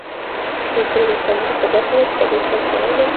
شنې سترګې د سمبولیکه برخه ده چې د طبیعت سره تړاو لري.